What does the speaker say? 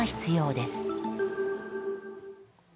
です。